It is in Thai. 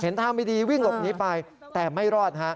เห็นทางไม่ดีวิ่งหลบนี้ไปแต่ไม่รอด